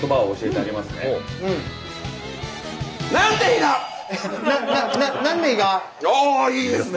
ああいいですね！